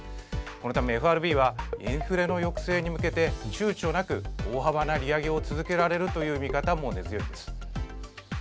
このためＦＲＢはインフレの抑制に向けてちゅうちょなく大幅な利上げを続けられるという見方も根強いです。